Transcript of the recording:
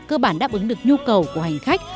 cơ bản đáp ứng được nhu cầu của hành khách